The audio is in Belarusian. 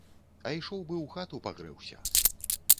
А ішоў бы ў хату пагрэўся.